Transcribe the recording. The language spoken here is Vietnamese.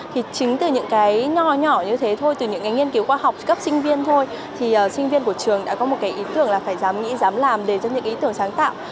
thì chính từ những cái nho nhỏ nhỏ như thế thôi từ những cái nghiên cứu khoa học cấp sinh viên thôi thì sinh viên của trường đã có một cái ý tưởng là phải dám nghĩ dám làm đề ra những ý tưởng sáng tạo